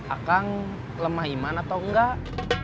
akang lemah iman atau enggak